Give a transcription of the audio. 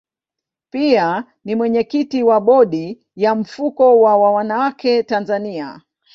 Pia ni mwenyekiti wa bodi ya mfuko wa wanawake Tanzania.